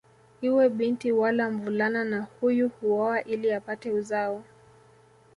Iwe binti wala mvulana na huyu huoa ili apate uzao